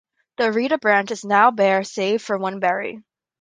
The arita branch is now bare save for one berry.